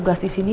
ibu sama ya